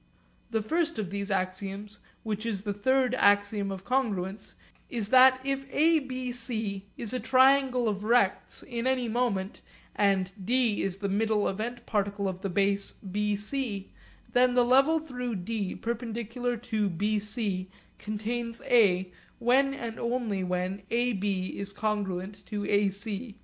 The first of these axioms, which is the third axiom of congruence, is that if ABC is a triangle of rects in any moment and D is the middle event particle of the base BC, then the level through D perpendicular to BC contains A when and only when AB is congruent to AC.